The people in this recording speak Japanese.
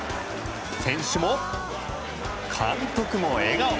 選手も監督も笑顔。